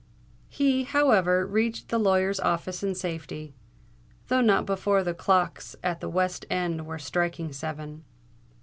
He, however, reached the lawyer's office in safety, though not before the clocks at the West End were striking seven.